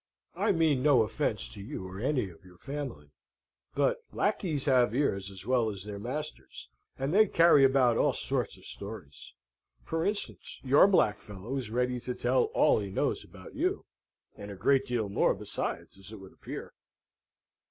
I mean no offence to you or any of your family; but lacqueys have ears as well as their masters, and they carry about all sorts of stories. For instance, your black fellow is ready to tell all he knows about you, and a great deal more besides, as it would appear."